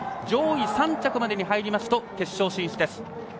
上位３着までに入りますと決勝進出です。